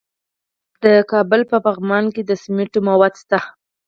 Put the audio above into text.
د کابل په پغمان کې د سمنټو مواد شته.